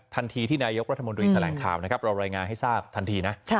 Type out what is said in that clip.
ทันทีที่นายยกรัฐมนตรวจดูเองแถลงข่าวรอรายงานให้ทราบทันทีนะ